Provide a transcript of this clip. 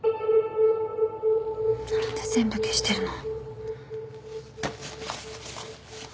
何で全部消してるの？